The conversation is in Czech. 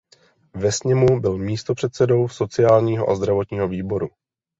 Ve sněmu byl místopředsedou sociálního a zdravotního výboru.